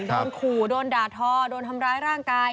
โดนขู่โดนด่าทอโดนทำร้ายร่างกาย